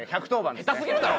下手すぎるだろ！